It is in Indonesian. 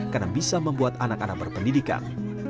karena bisa membuat anak anak berpendidikan